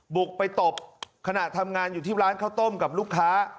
บุกไปตบขณะทำงานอยู่ที่ร้านข้าวต้มกับลูกค้า